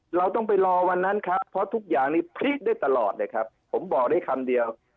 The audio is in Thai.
เราต้องไปรอวันนั้นครับเพราะทุกอย่างนี้พลิกได้ตลอดเลยครับผมบอกได้คำเดียว